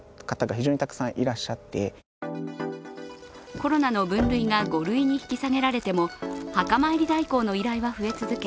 コロナの分類が５類に引き下げられても墓参り代行の依頼は増え続け